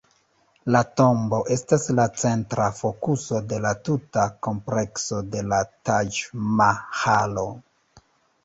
La tombo estas la centra fokuso de la tuta komplekso de la Taĝ-Mahalo.